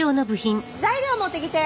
材料持ってきて。